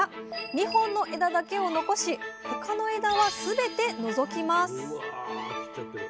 ２本の枝だけを残し他の枝はすべて除きます。